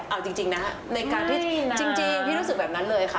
เอาจริงนะจริงพี่รู้สึกแบบนั้นเลยค่ะ